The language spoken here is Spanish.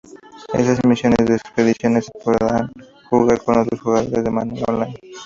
Estas misiones de expediciones se podrán jugar con otros jugadores de manera online.